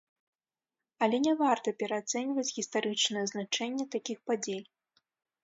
Але не варта пераацэньваць гістарычнае значэнне такіх падзей.